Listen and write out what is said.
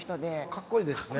かっこいいですね。